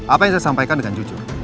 apa yang saya sampaikan dengan jujur